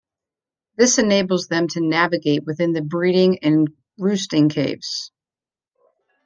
This enables them to navigate within the breeding and roosting caves.